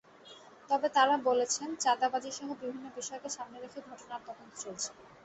তবে তাঁরা বলেছেন, চাঁদাবাজিসহ বিভিন্ন বিষয়কে সামনে রেখে ঘটনার তদন্ত চলছে।